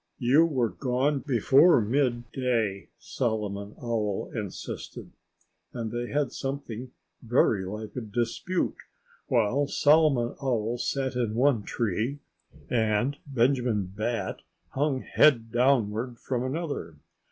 "You were gone before midday," Solomon Owl insisted. And they had something very like a dispute, while Solomon Owl sat in one tree and Benjamin Bat hung head downward from another.